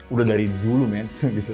udah dari dulu men